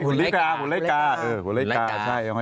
หุ่นเล้กกาใช่ไอ้ห้อยไอ้โหน